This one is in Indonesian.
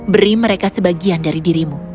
beri mereka sebagian dari dirimu